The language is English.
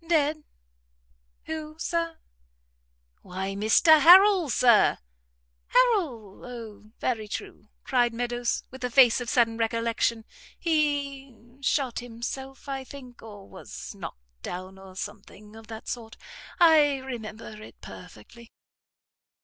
"Dead? who, Sir?" "Why Mr Harrel, Sir." "Harrel? O, very true," cried Meadows, with a face of sudden recollection; "he shot himself, I think, or was knocked down, or something of that sort. I remember it perfectly."